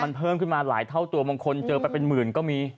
มันเพิ่มขึ้นมาหลายเท่าตัวบางคนเจอไปเป็นหมื่นก็มี